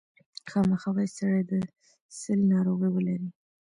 خامخا باید سړی د سِل ناروغي ولري.